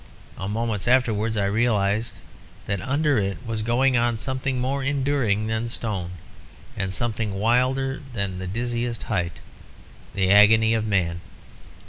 A moment afterwards, I realised that under it was going on something more enduring than stone, and something wilder than the dizziest height the agony of man.